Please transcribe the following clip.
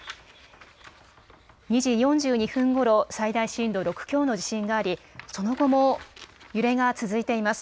２時４２分ごろ、最大震度６強の地震があり、その後も揺れが続いています。